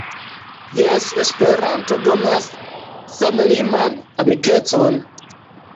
Jes, Esperanto donas senliman amikecon!